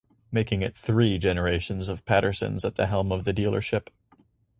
Making it three generations of Pattersons at the helm of the dealership.